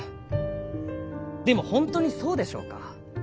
でも本当にそうでしょうか。